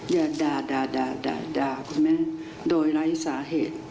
อย่าด่าคุณแม่โดยไร้สาเหตุ